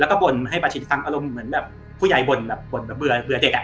แล้วก็บ่นให้ประชิดฟังอารมณ์เหมือนแบบผู้ใหญ่บ่นแบบบ่นแบบเบื่อเด็กอ่ะ